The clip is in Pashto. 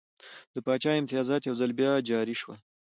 د پاچا امتیازات یو ځل بیا جاري شول.